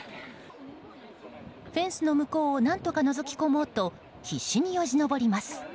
フェンスの向こうを何とかのぞき込もうと必死によじ登ります。